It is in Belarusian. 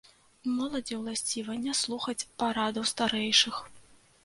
Моладзі ўласціва не слухаць парадаў старэйшых.